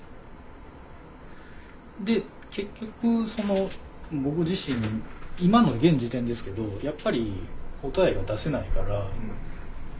で結局僕自身今の現時点ですけどやっぱり答えが出せないから。